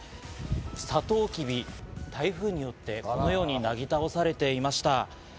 さとうきび、台風によってこのようになぎ倒されていました。